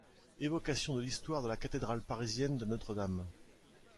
Évocation de l'histoire de la cathédrale parisienne de Notre-Dame.